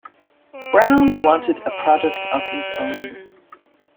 Brown wanted a product of his own.